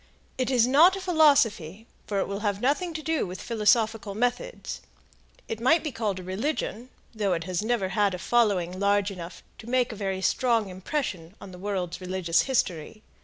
It is not a philosophy, for it will have nothing to do with philosophical methods; it might be called a religion, though it has never had a following large enough to make a very strong impression on the world's religious history.